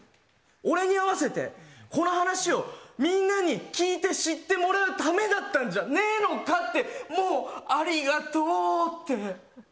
俺に合わせて、この話をみんなに聞いて、知ってもらうためだったんじゃねえのかって、もうありがとうって。